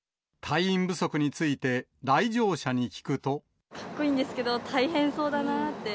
隊員不足について、来場者にかっこいいんですけど、大変そうだなぁって。